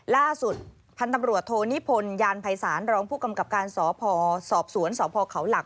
ล่าสุดพันธุ์ตำรวจโทนิพลยานภัยศาลรองผู้กำกับการสพสอบสวนสพเขาหลัก